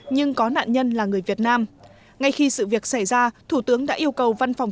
nhưng có nạn nhân là người việt nam ngay khi sự việc xảy ra thủ tướng đã yêu cầu văn phòng